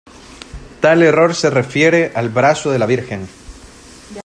Tal error se refiere al brazo de la Virgen.